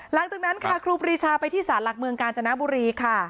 หลังจากนั้นค่ะครูปรีชาไปที่ศาลหลักเมืองกาญจนบุรีค่ะ